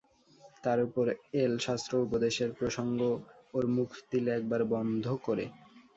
তার উপরে এল শাস্ত্র- উপদেশের প্রসঙ্গ, ওর মুখ দিলে একেবারে বন্ধ করে।